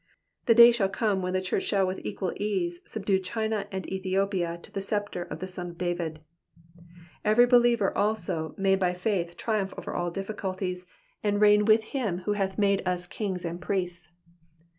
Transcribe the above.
The day shall come when the church shall with equal esse subdue China and Ethiopia to the sceptre of the Son of David. Every believer also may by faith triumph over all difiScuIties, and reign with him who hath made us kings and priests.